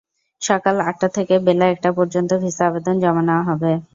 সকাল আটটা থেকে বেলা একটা পর্যন্ত ভিসা আবেদন জমা নেওয়া হবে।